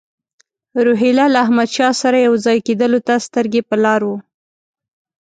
روهیله له احمدشاه سره یو ځای کېدلو ته سترګې په لار وو.